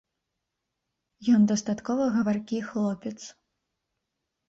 Ён дастаткова гаваркі хлопец.